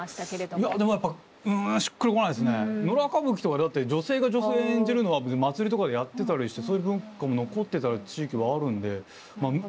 いやでもやっぱ村歌舞伎とかだって女性が女性演じるのは別に祭りとかでやってたりしてそういう文化も残ってた地域はあるんで。